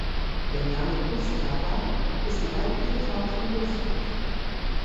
Der Name Gustava ist die weibliche Form von Gustav.